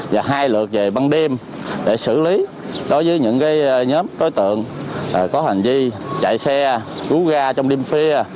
và hai lượt về băng đêm để xử lý đối với những nhóm đối tượng có hành vi chạy xe cú ga trong đêm phia